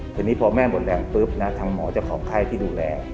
ทีนี้พอแม่หมดแรงปุ๊บนะทางหมอเจ้าของไข้ที่ดูแล